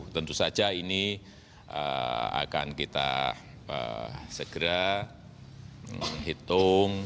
tentu saja ini akan kita segera hitung